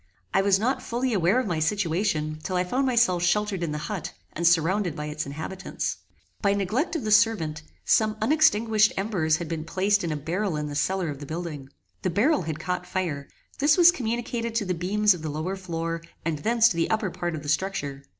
I was not fully aware of my situation till I found myself sheltered in the HUT, and surrounded by its inhabitants. By neglect of the servant, some unextinguished embers had been placed in a barrel in the cellar of the building. The barrel had caught fire; this was communicated to the beams of the lower floor, and thence to the upper part of the structure.